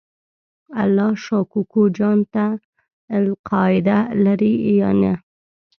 الله شا کوکو جان ته القاعده لرې یا نه؟